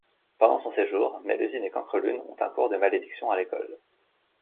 Pendant son séjour, Mélusine et Cancrelune ont un cours de Malédiction à l'école.